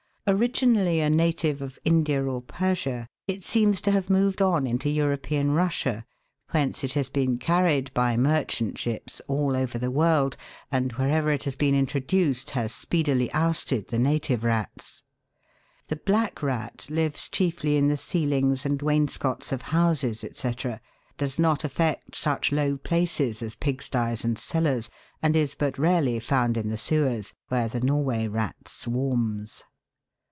Originally a native of India or Persia, it seems to have moved on into European Russia, whence it has been carried by merchant ships all over the world, and wherever it has been intro duced has speedily ousted the native rats. The Black Rat lives chiefly in the ceilings and wainscots of houses, &c., does not affect such low places as pig sties and cellars, and is but rarely found in the sewers, where the Norway rat swarms.